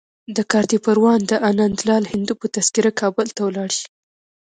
د کارته پروان د انندلال هندو په تذکره کابل ته ولاړ شي.